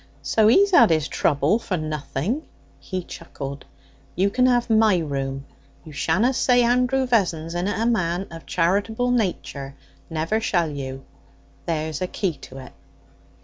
'So he's had his trouble for nothing,' he chuckled. 'You can have my room. You shanna say Andrew Vessons inna a man of charitable nature. Never shall you! There's a key to it.'